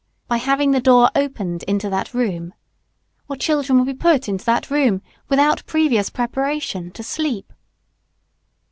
by having the door opened into that room. Or children will be put into that room, without previous preparation, to sleep.